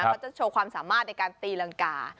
เขาจะโชว์ความสามารถในการตีรังกา